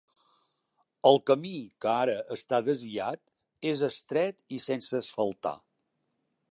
El camí que ara està desviat és estret i sense asfaltar.